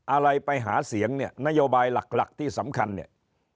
อะไรไปหาเสียงเนี่ยนโยบายหลักที่สำคัญเนี่ย